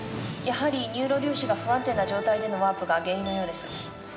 やはりニューロ粒子が不安定な状態でのワープが原因のようです。